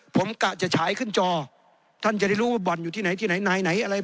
ผมกะจะฉายขึ้นจอท่านจะได้รู้ว่าบ่อนอยู่ที่ไหนที่ไหนไหนอะไร